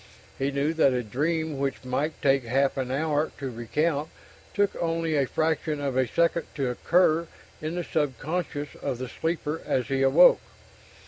He knew that a dream which might take half an hour to recount took only a fraction of a second to occur in the sub conscious of the sleeper as he awoke.